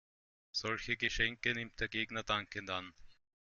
Solche Geschenke nimmt der Gegner dankend an.